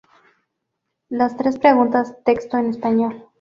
Las tres preguntas texto en español